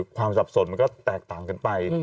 สับสนมันก็แตกต่างกันไป